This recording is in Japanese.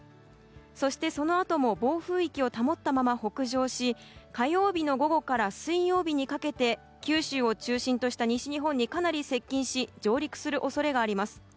そして、そのあとも暴風域を保ったまま北上し火曜日の午後から水曜日にかけて九州を中心とした西日本にかなり接近し上陸する恐れがあります。